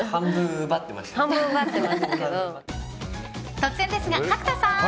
突然ですが、角田さん